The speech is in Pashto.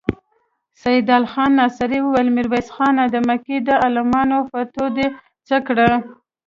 سيدال خان ناصري وويل: ميرويس خانه! د مکې د علماوو فتوا دې څه کړه؟